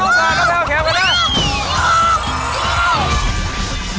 โอ้โฮ